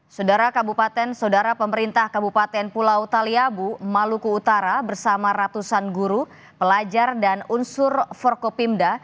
saudara kabupaten saudara pemerintah kabupaten pulau taliabu maluku utara bersama ratusan guru pelajar dan unsur forkopimda